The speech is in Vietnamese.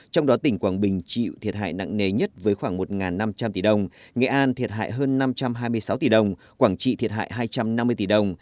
trong đó tỉnh quảng bình chịu thiệt hại nặng nề nhất với khoảng một năm trăm linh tỷ đồng nghệ an thiệt hại hơn năm trăm hai mươi sáu tỷ đồng quảng trị thiệt hại hai trăm năm mươi tỷ đồng